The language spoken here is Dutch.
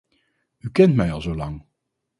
U kent mij al zo lang.